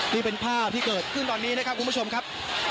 นี่เป็นภาพที่เกิดขึ้นตอนนี้นะครับคุณผู้ชมครับ